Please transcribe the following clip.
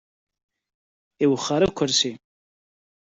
Iwexxer akersi.